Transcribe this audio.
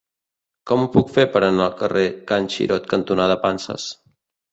Com ho puc fer per anar al carrer Can Xirot cantonada Panses?